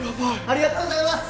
ありがとうございます！